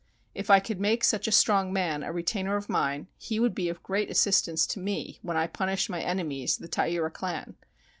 If I could make such a strong man a retainer of mine, he would be of great assistance to me when I punish my enemies, the Taira clan.